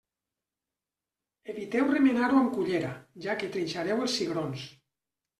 Eviteu remenar-ho amb cullera, ja que trinxareu els cigrons.